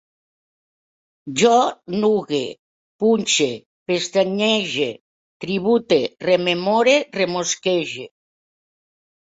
Jo nugue, punxe, pestanyege, tribute, rememore, remosquege